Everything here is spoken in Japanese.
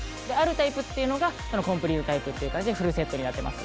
タイプっていうのがコンプリートタイプって感じでフルセットになってます